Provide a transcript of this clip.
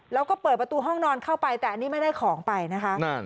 แล้วก็เปิดประตูห้องนอนเข้าไปแต่อันนี้ไม่ได้ของไปนะคะ